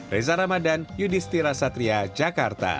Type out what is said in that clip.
reza ramadan yudhistira satria jakarta